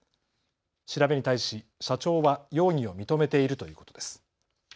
調べに対し社長は容疑を認めているということです。